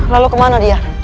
lalu kemana dia